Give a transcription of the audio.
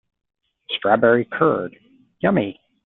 Strawberry curd, yummy!